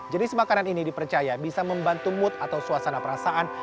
jenis makanan ini dipercaya bisa membantu mood atau suasana perasaan